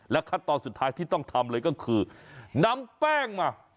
ขั้นตอนสุดท้ายที่ต้องทำเลยก็คือนำแป้งมา